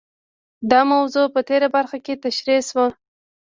دا موضوع په تېره برخه کې تشرېح شوه.